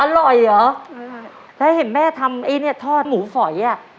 อร่อยเหรอแล้วเห็นแม่ทำไอ้เนี้ยทอดหมูฝอยอ่ะ